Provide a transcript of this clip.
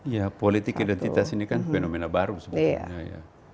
ya politik identitas ini kan fenomena baru sebetulnya ya